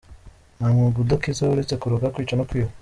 Nta mwuga udakiza uretse kuroga, kwica no kwiba.